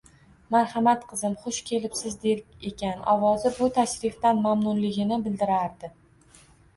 Marhamat qizim, xush kelibsiz, — der ekan, ovozi bu tashrifdan mamnunligini bildirardi.